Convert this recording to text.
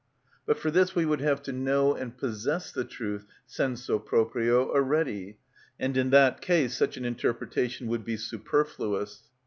But for this we would have to know and possess the truth sensu proprio already; and in that case such an interpretation would be superfluous.